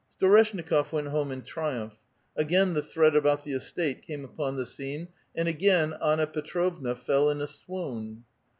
Storeshnikof went home in triumph. Again the threat about the estate came upon the scene, and again Anna Pe trovna fell in a swoon.